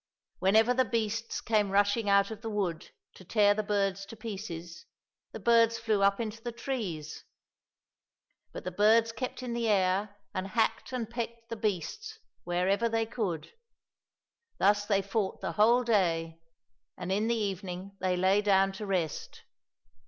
Whenever the beasts came rushing out of the wood to tear the birds to pieces, the birds flew up into the trees ; but the birds kept in the air, and hacked and pecked the beasts wherever they could. Thus they fought the whole day, and in the evening they lay down to rest.